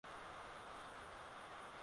kimependekezwa na umoja wa afrika